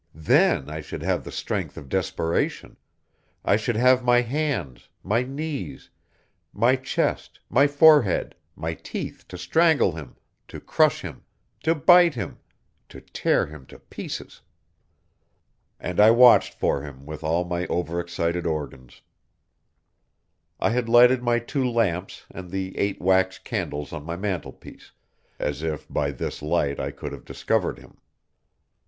then I should have the strength of desperation; I should have my hands, my knees, my chest, my forehead, my teeth to strangle him, to crush him, to bite him, to tear him to pieces. And I watched for him with all my overexcited organs. I had lighted my two lamps and the eight wax candles on my mantelpiece, as if by this light I could have discovered him.